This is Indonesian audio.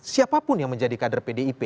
siapapun yang menjadi kader pdip